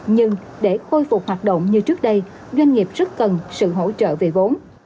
nhưng để khôi phục hoạt động như trước đây doanh nghiệp rất cần sự hỗ trợ về vốn